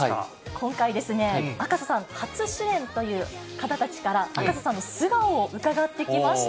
今回、赤楚さん初主演という方たちから、赤楚さんの素顔を伺ってきました。